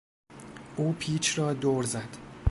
او پیچ را دور زد.